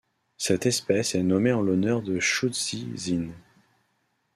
Cette espèce est nommée en l'honneur de Shu-szi Sin.